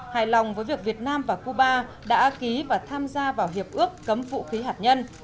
hài lòng với việc việt nam và cuba đã ký và tham gia vào hiệp ước cấm vũ khí hạt nhân